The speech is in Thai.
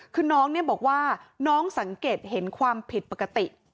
คือน้องเนี่ยบอกว่าน้องสังเกตเห็นความผิดปกติ